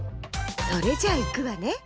それじゃあいくわね。